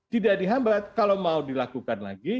tidak dihambat kalau mau dilakukan lagi